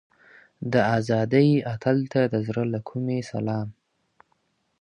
د ازادۍ اتل ته د زړه له کومې سلام.